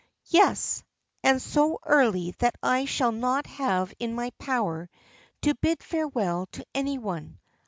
"Yes, and so early that I shall not have it in my power to bid farewell to any one.